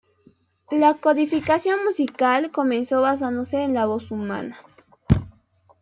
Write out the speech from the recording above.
La codificación musical comenzó basándose en la voz humana.